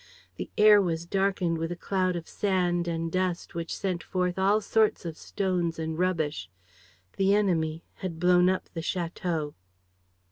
The air was darkened with a cloud of sand and dust which sent forth all sorts of stones and rubbish. The enemy had blown up the château.